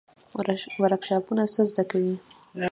ورکشاپونه څه زده کوي؟